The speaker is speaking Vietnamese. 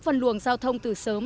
phân luồng giao thông từ sớm